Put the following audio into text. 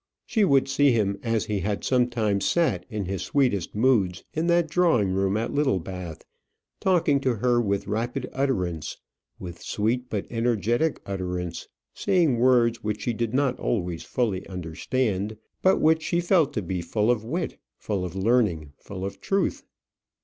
She would see him as he had sometimes sat, in his sweetest moods, in that drawing room at Littlebath, talking to her with rapid utterance, with sweet, but energetic utterance, saying words which she did not always fully understand, but which she felt to be full of wit, full of learning, full of truth.